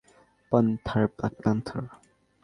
Panther, black panther.